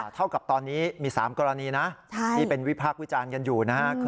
เท่ากับตอนนี้มี๓กรณีนะที่เป็นวิพากษ์วิจารณ์กันอยู่นะครับ